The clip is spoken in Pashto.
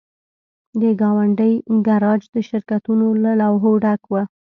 د ګاونډۍ ګراج د شرکتونو له لوحو ډک و